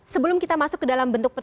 sebelum kita masuk ke dalam bentuk